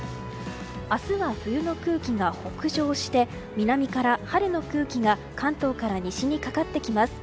明日は冬の空気が北上して南から春の空気が関東から西にかかってきます。